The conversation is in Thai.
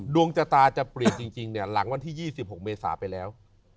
ดวงชะตาจะเปลี่ยนจริงหลังวันที่๒๖เมษาไปแล้ว